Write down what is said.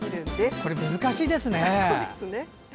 これ、難しいですね！